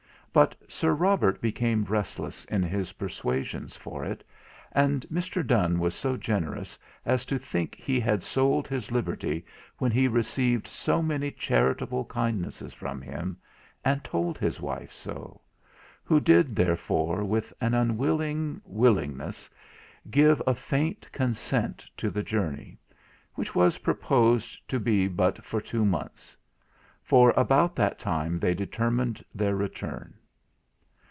But Sir Robert became restless in his persuasions for it, and Mr. Donne was so generous as to think he had sold his liberty when he received so many charitable kindnesses from him, and told his wife so; who did therefore, with an unwilling willingness, give a faint consent to the journey, which was proposed to be but for two months; for about that time they determined their return.